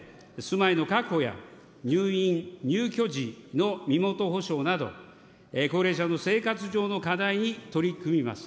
あわせて住まいの確保や入院・入居時の身元保証など、高齢者の生活上の課題に取り組みます。